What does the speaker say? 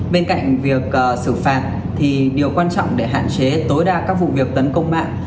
bên cạnh việc xử phạt thì điều quan trọng để hạn chế tối đa các vụ việc tấn công mạng